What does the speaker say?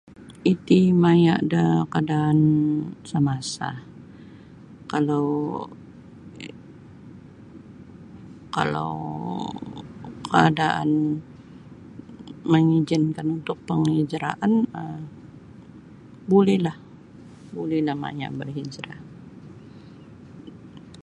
Iti maya da kadaan samasa kalau kalau kaadaan mangijinkan untuk penghijraan um buli kah buli lah maya bahijrah.